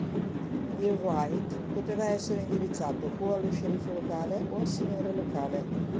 Il Writ poteva essere indirizzato o allo sceriffo locale o al signore locale.